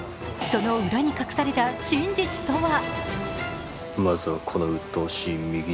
その裏に隠された真実とは？